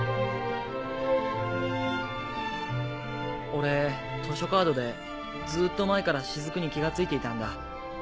俺図書カードでずっと前から雫に気がついていたんだ。